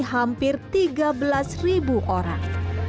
hampir tiga belas ribu orang